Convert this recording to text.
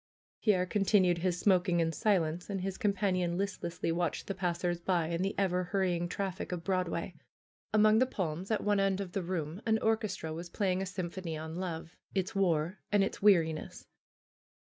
Pierre continued his smoking in silence and his com panion listlessly watched the passers by and the ever hurrying traffic of Broadway. Among the palms at one end of the room an or chestra was playing a symphony on love, its war, and its weariness.